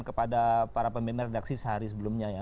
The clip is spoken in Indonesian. kepada para pemimpin redaksi sehari sebelumnya ya